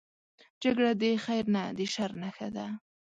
جګړه د خیر نه، د شر نښه ده